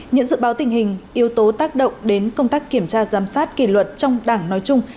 những dự báo tình hình yếu tố tác động đến công tác kiểm tra giám sát kỷ luật trong đảng nói chung